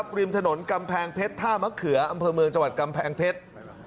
ริมถนนกำแพงเพชรท่ามะเขืออำเภอเมืองจังหวัดกำแพงเพชร